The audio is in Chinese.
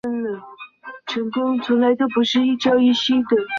投资的企业一般具有很好的盈利能力和上市规模。